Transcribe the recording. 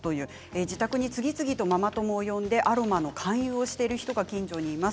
自宅に次々とママ友を呼んでアロマの勧誘をしている人が近所にいます。